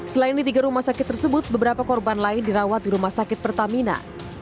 selain di tiga rumah sakit tersebut beberapa korban lain dirawat di rumah sakit pertamina